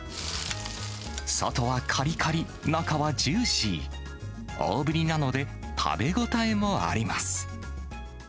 外はかりかり、中はジューシー、大ぶりなので、食べ応えもあります。